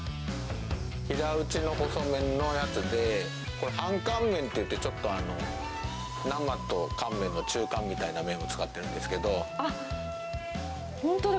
平打ちの細麺のやつで、これ、半乾麺っていって、生と乾麺の中間みたいな麺を使ってるんですけあっ、本当だ。